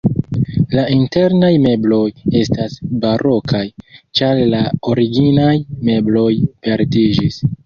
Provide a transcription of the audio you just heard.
La internaj mebloj estas barokaj, ĉar la originaj mebloj perdiĝis.